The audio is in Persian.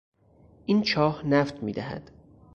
این چاه نفت میدهد.